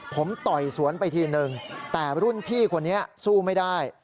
ผมต่อยสวนไปทีนึงแต่รุ่นพี่คนนี้สู้ไม่ได้